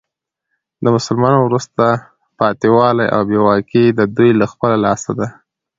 د مسلمانانو وروسته پاته والي او بي واکي د دوې له خپله لاسه ده.